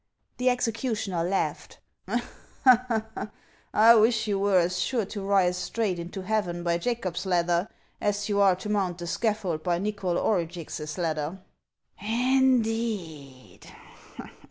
The executioner laughed. " T wish you were as sure to rise straight into heaven by Jacob's ladder as you are to mount the scaffold by Xychol Orugix's ladder." " Indeed